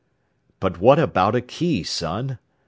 "But what about a key, son?"